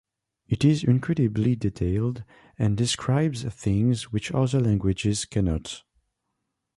It is incredibly detailed and describes things which other languages cannot.